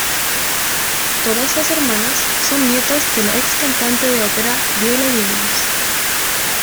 Todas las hermanas son nietas de la excantante de ópera Viola Williams.